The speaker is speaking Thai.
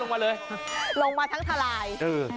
ลงมาเลยลงมาทั้งทลาย